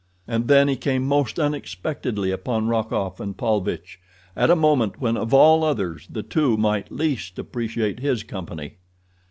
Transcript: And then he came most unexpectedly upon Rokoff and Paulvitch at a moment when of all others the two might least appreciate his company.